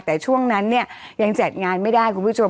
แต่ช่วงนั้นเนี่ยยังจัดงานไม่ได้คุณผู้ชม